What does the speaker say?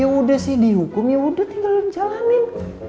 yaudah sih dihukum yaudah tinggal lu ngejalanin